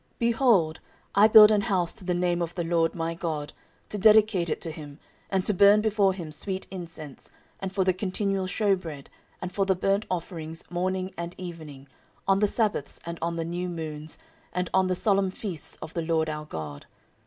14:002:004 Behold, I build an house to the name of the LORD my God, to dedicate it to him, and to burn before him sweet incense, and for the continual shewbread, and for the burnt offerings morning and evening, on the sabbaths, and on the new moons, and on the solemn feasts of the LORD our God.